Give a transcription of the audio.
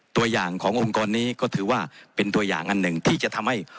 ตัวอย่างขององค์กรนี้ก็ถือว่าเป็นตัวอย่างอันหนึ่งที่จะทำให้